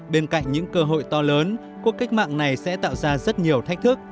bên cạnh những cơ hội to lớn cuộc cách mạng này sẽ tạo ra rất nhiều thách thức